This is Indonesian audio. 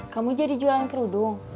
kamu jadi jualan kerudung